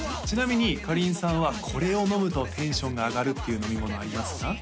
ちなみにかりんさんはこれを飲むとテンションが上がるっていう飲み物ありますか？